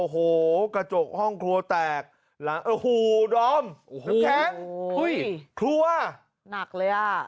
โอ้โหกระจกห้องครัวแตกหูดอมแข็งครัวหนักเลยอ่ะ